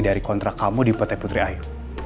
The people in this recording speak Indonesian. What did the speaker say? dari kontrak kamu di pt putri ayu